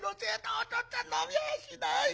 お父っつぁん飲みやしない』。